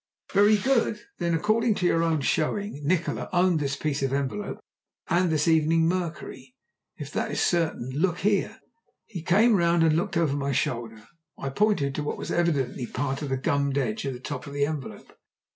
"Very good. Then according to your own showing Nikola owned this piece of envelope and this Evening Mercury. If that is certain, look here!" He came round and looked over my shoulder. I pointed to what was evidently part of the gummed edge of the top of the envelope.